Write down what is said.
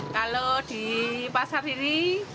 kalau di pasar ini